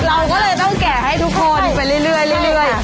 เราก็เลยต้องแกะให้ทุกคนไปเรื่อย